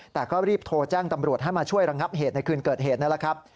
แต่ก็รีบโทรแจ้งตำรวจให้มาช่วยระงับเหตุในคืนเกิดเหตุนั่นแหละครับ